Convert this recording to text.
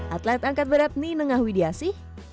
atlet angkat berat ninen ngahwidiasi